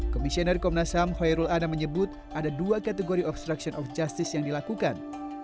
komisioner komnasam hoerul ana menyebut ada dua kategori obstruction of justice yang dilakukan